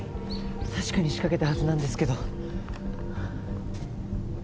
確かに仕掛けたはずなんですけど。